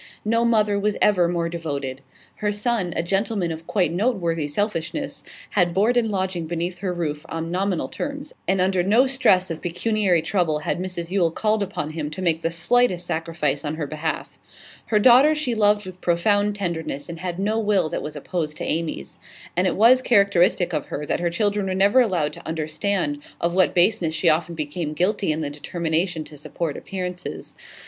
No mother was ever more devoted. Her son, a gentleman of quite noteworthy selfishness, had board and lodging beneath her roof on nominal terms, and under no stress of pecuniary trouble had Mrs Yule called upon him to make the slightest sacrifice on her behalf. Her daughter she loved with profound tenderness, and had no will that was opposed to Amy's. And it was characteristic of her that her children were never allowed to understand of what baseness she often became guilty in the determination to support appearances.